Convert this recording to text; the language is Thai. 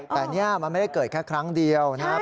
แต่นี่มันไม่ได้เกิดแค่ครั้งเดียวนะครับ